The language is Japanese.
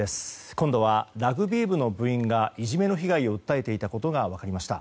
今度はラグビー部の部員がいじめの被害を訴えていたことが分かりました。